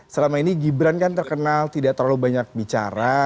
selama ini gibran kan terkenal tidak terlalu banyak bicara